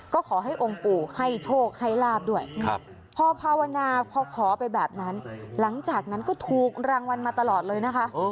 ก็ขอให้องค์ปู่ให้โชคให้ลาบด้วยพอภาวนาพอขอไปแบบนั้นหลังจากนั้นก็ถูกรางวัลมาตลอดเลยนะคะ